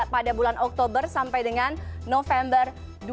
pada bulan oktober sampai dengan november dua ribu sepuluh